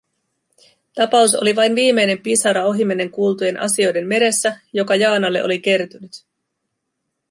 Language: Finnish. Tapaus oli vain viimeinen pisara ohimennen kuultujen asioiden meressä, joka Jaanalle oli kertynyt.